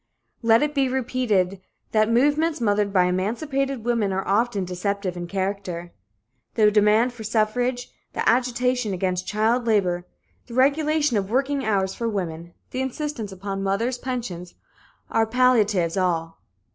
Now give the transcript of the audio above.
Let it be repeated that movements mothered by emancipated women are often deceptive in character. The demand for suffrage, the agitation against child labor, the regulation of working hours for women, the insistence upon mothers' pensions are palliatives all.